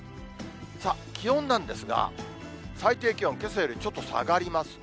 さあ、気温なんですが、最低気温、けさよりちょっと下がりますね。